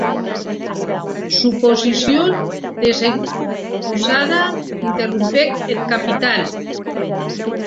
Suposicion desencusada, interrompec eth Capitan.